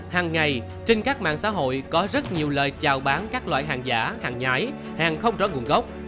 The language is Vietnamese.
hàng ngày trên các mạng xã hội có rất nhiều lời chào bán các loại hàng giả hàng nhái hàng không rõ nguồn gốc